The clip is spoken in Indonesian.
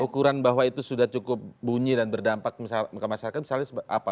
ukuran bahwa itu sudah cukup bunyi dan berdampak ke masyarakat misalnya apa